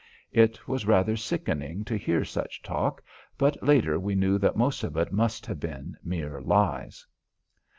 It was rather sickening to hear such talk, but later we knew that most of it must have been mere lies.